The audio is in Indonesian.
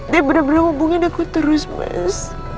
dia bener bener hubungin aku terus mas